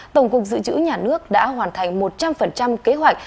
tổng cục dự trữ nhà nước đã hoàn thành một trăm linh kế hoạch